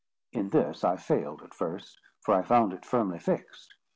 In this I failed at first, for I found it firmly fixed.